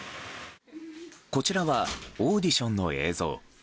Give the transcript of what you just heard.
こちらはオーディションの映像。